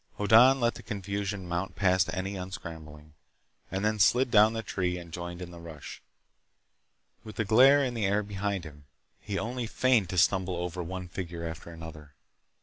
Hoddan let the confusion mount past any unscrambling, and then slid down the tree and joined in the rush. With the glare in the air behind him, he only feigned to stumble over one figure after another.